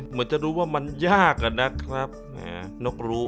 เหมือนจะรู้ว่ามันยากอะนะครับแหมนกรู้